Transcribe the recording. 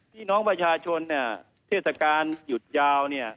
พี่น้องประชาชนเนี่ยเทศกาลหยุดยาวเนี่ย